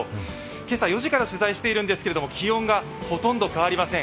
今朝４時から取材しているんですけれども、気温がほとんど変わりません。